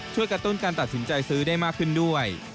กระตุ้นการตัดสินใจซื้อได้มากขึ้นด้วย